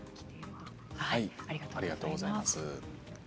ありがとうございます。